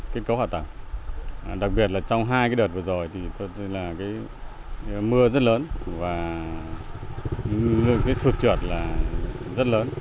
kinh cấu hạ tầng đặc biệt là trong hai đợt vừa rồi thì mưa rất lớn và sụt trượt rất lớn